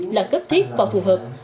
là cấp thiết và phù hợp